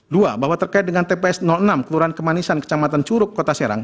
dua bahwa terkait dengan tps enam kelurahan kemanisan kecamatan curug kota serang